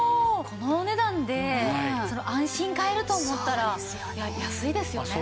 このお値段で安心買えると思ったら安いですよね。